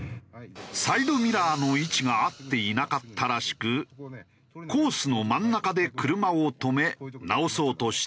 サイドミラーの位置が合っていなかったらしくコースの真ん中で車を止め直そうとしたようだ。